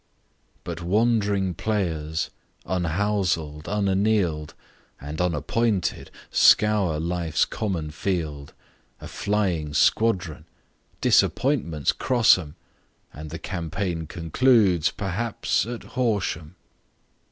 But wandering Players, "unhousel'd, unanneal'd," And unappointed, scour life's common field, A flying squadron! disappointments cross 'em, And the campaign concludes, perhaps, at Horsham.